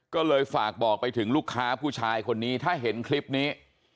ก็เลยฝากบอกไปถึงลูกค้าผู้ชายคนนี้ถ้าเห็นคลิปนี้